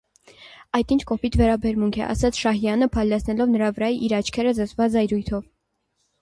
- Այդ ի՞նչ կոպիտ վարմունք է,- ասաց Շահյանը, փայլեցնելով նրա վրա իր աչքերը զսպված զայրույթով: